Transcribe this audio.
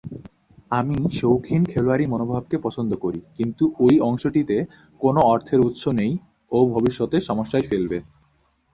আমি শৌখিন খেলোয়াড়ী মনোভাবকে পছন্দ করি, কিন্তু ঐ অংশটিতে কোন অর্থের উৎস নেই ও ভবিষ্যতে সমস্যায় ফেলবে।